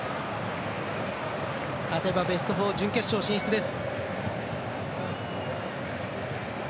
勝てばベスト４、準決勝進出です。